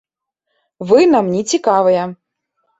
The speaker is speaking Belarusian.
Вы нам не цікавыя!